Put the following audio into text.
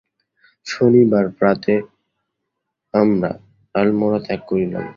শনিবার প্রাতে আমরা আলমোড়া ত্যাগ করিলাম।